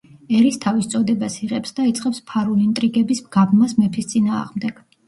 ერისთავის წოდებას იღებს და იწყებს ფარულ ინტრიგების გაბმას მეფის წინააღმდეგ.